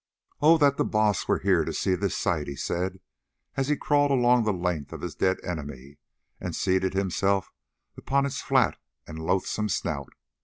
"Oh! that the Baas were here to see this sight!" he said, as he crawled along the length of his dead enemy, and seated himself upon its flat and loathsome snout.